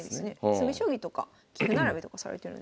詰将棋とか棋譜並べとかされてるんですかね。